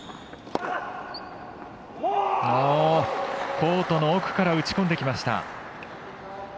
コートの奥から打ち込んできました。